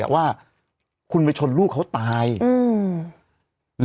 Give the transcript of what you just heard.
หุ้นไปชนลูกเขาตายอืม